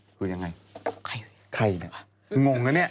คือยังไงใครใครนี่งงนะนี่